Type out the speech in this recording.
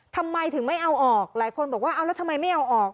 ทำไมถึงไม่เอาออกหลายคนบอกว่าเอาแล้วทำไมไม่เอาออก